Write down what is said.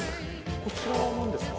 こちらは何ですか？